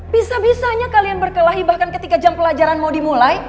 bisa bisanya kalian berkelahi bahkan ketika jam pelajaran mau dimulai